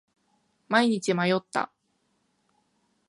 毎日迷った。